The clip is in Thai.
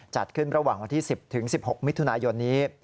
จัดขึ้นระหว่างวันที่๑๐๑๖มิถุนายนนี้